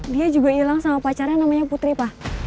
dia juga hilang sama pacarnya namanya putri pak